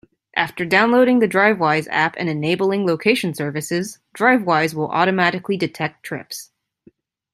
After downloading the Drivewise app and enabling location services, Drivewise will automatically detect trips.